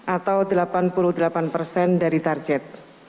atau delapan puluh delapan persen dari target